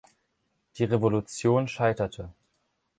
Die Revolution scheiterte.